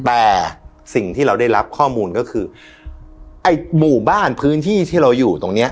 แต่สิ่งที่เราได้รับข้อมูลก็คือไอ้หมู่บ้านพื้นที่ที่เราอยู่ตรงเนี้ย